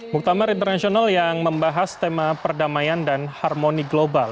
muktamar internasional yang membahas tema perdamaian dan harmoni global